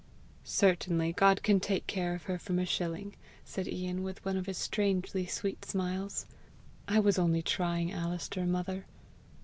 "Certainly God can take care of her from a shilling!" said Ian, with one of his strangely sweet smiles. "I was only trying Alister, mother."